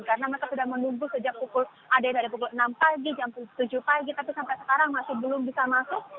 karena mereka sudah menunggu sejak pukul enam pagi jam tujuh pagi tapi sampai sekarang masih belum bisa masuk